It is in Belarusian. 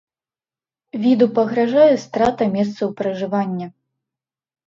Віду пагражае страта месцаў пражывання.